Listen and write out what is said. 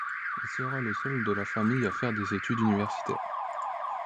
Il sera le seul de la famille à faire des études universitaires.